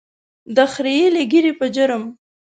د خرییلې ږیرې په جرم.